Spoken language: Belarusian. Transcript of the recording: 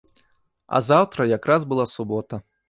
А заўтра як раз была субота.